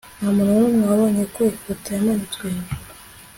ntamuntu numwe wabonye ko ifoto yamanitswe hejuru